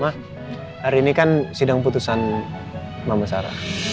hari ini kan sidang putusan mama sarah